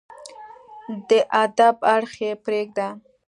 د ادب اړخ يې پرېږده